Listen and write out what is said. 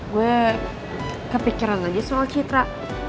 gue kepikiran aja soal citra